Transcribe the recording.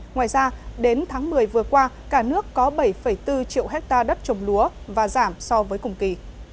ngoài ra đến tháng một mươi vừa qua cả nước có bảy bốn triệu hectare đất trồng lúa và giảm so với cùng kỳ